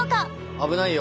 危ないよ。